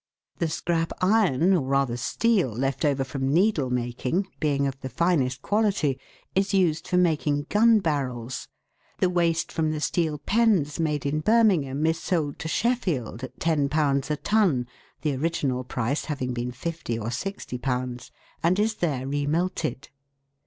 The scrap iron, or rather steel, left over from needle making, being of the finest quality, is used for making gun barrels ; the waste from the steel pens made in Bir mingham is sold to Sheffield, at 10 a ton (the original price having been ^50 or ^60), and is there re melted.